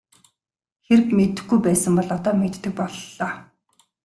Хэрэв мэдэхгүй байсан бол одоо мэддэг боллоо.